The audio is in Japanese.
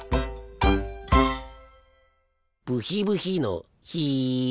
ブヒブヒのヒ。